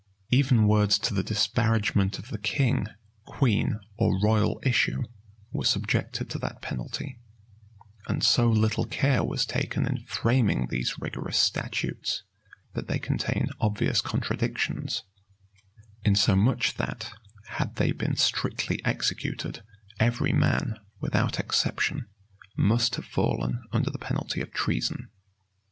Even words to the disparagement of the king, queen, or royal issue, were subjected to that penalty; and so little care was taken in framing these rigorous statutes, that they contain obvious contradictions; insomuch that, had they been strictly executed, every man, without exception, must have fallen under the penalty of treason.